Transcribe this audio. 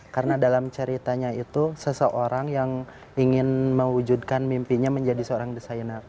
karena dalam ceritanya itu seseorang yang ingin mewujudkan mimpinya menjadi seorang desainer